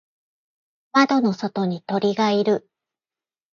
窓の外に鳥がいる。